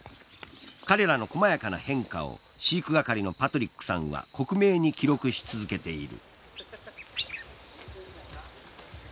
彼らの細やかな変化を飼育係のパトリックさんは克明に記録し続けている。